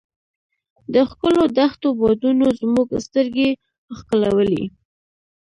د ښکلو دښتو بادونو زموږ سترګې ښکلولې.